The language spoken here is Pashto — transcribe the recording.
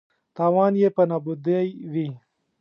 تاوان یې په نابودۍ وي.